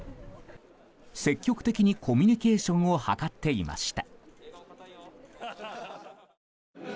積極的に、コミュニケーションを図っていました。